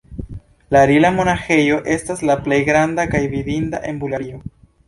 La Rila-monaĥejo estas la plej granda kaj vidinda en Bulgario.